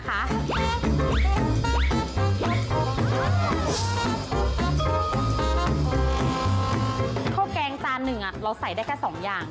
ข้าวแกงจานหนึ่งเราใส่ได้แค่๒อย่าง